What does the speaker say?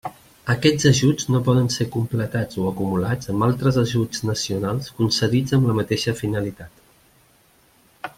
Aquests ajuts no poden ser completats o acumulats amb altres ajuts nacionals concedits amb la mateixa finalitat.